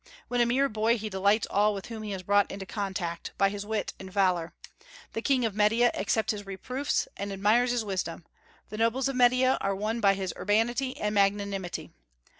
When a mere boy he delights all with whom he is brought into contact, by his wit and valor. The king of Media accepts his reproofs and admires his wisdom; the nobles of Media are won by his urbanity and magnanimity.